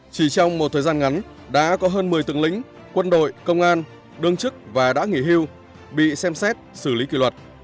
chỉ trong một thời gian ngắn đã có hơn một mươi tướng lĩnh quân đội công an đương chức và đã nghỉ hưu bị xem xét xử lý kỷ luật